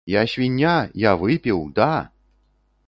Я свіння, я выпіў, да!